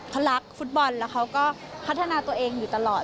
เขารักฟุตบอลแล้วเขาก็พัฒนาตัวเองอยู่ตลอด